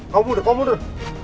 kamu mundur kamu mundur